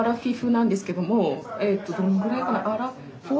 どんぐらいかな。